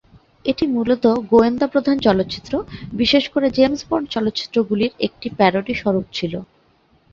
এটি মূলত গোয়েন্দা প্রধান চলচ্চিত্র, বিশেষ করে জেমস বন্ড চলচ্চিত্র গুলোর একটি প্যারোডি স্বরুপ ছিল।